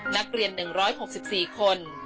นักเรียน๑๖๔คน